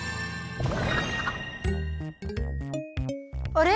あれ？